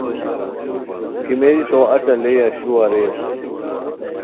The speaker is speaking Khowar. کیمیری تو اچہ لئے اشرو اریر